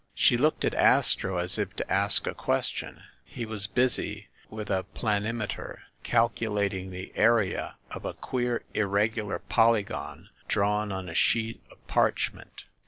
She looked at Astro, as if to ask a question. He was busy with a planimeter, calculating the area of a queer irregular polygon drawn on a sheet of parch ment.